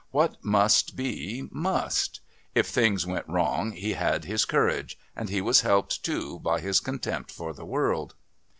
"What must be must." If things went wrong he had his courage, and he was helped too by his contempt for the world....